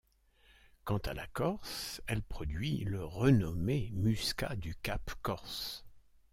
Quant à la Corse, elle produit le renommé Muscat du Cap-Corse.